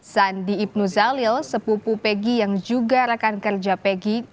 sandi ibnu zalil sepupu pegi yang juga rekan kerja peggy